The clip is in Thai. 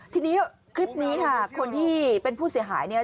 ทีนี้คลิปนี้ค่ะคนที่เป็นผู้เสียหายเนี่ย